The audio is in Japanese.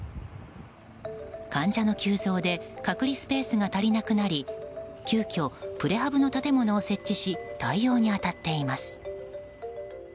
患者の急増で隔離スペースが足りなくなり急きょ、プレハブの建物を設置し対応に当たっています。